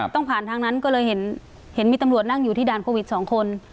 ต้องผ่านทางนั้นก็เลยเห็นมีตำรวจนั่งอยู่ที่ด่านโควิด๒คน